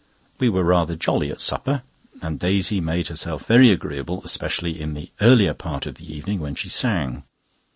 We were rather jolly at supper, and Daisy made herself very agreeable, especially in the earlier part of the evening, when she sang.